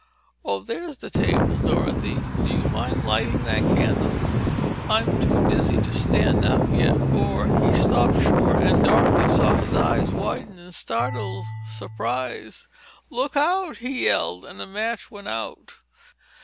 "Oh, there's the table, Dorothy. Do you mind lighting that candle? I'm too dizzy to stand up yet or—" He stopped short and Dorothy saw his eyes widen in startled surprise. "Look out!" he yelled and the match went out.